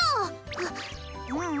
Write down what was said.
あっううん。